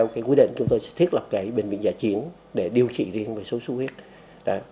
theo quy định chúng tôi sẽ thiết lập cái bệnh viện giả chiến để điều trị riêng về sốt xuất huyết